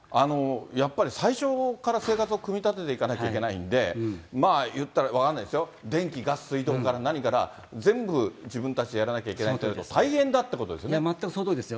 やっぱり最初から生活を組み立てていかないといけないんで、いったら、分かんないですよ、電気、ガス、水道から何から全部自分たちでやらなきゃいけないので、大変だっ全くそのとおりですよ。